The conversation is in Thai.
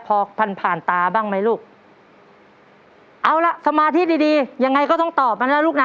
พอพันผ่านผ่านตาบ้างไหมลูกเอาล่ะสมาธิดีดียังไงก็ต้องตอบมานะลูกนะ